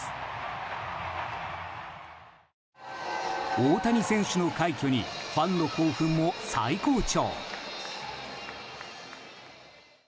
大谷選手の快挙にファンの興奮も、最高潮。